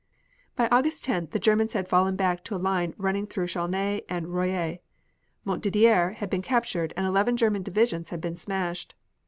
By August 10th the Germans had fallen back to a line running through Chaulnes and Roye. Montdidier had been captured, and eleven German divisions had been smashed.